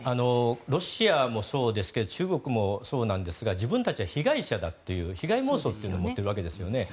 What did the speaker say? ロシアもそうですけど中国もそうなんですが自分たちは被害者だという被害妄想を持っているわけですよね。